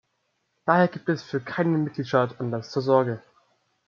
Daher gibt es für keinen Mitgliedstaat Anlass zur Sorge.